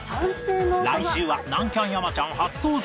来週は南キャン山ちゃん初登場！